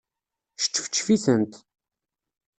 Sčefčef-itent.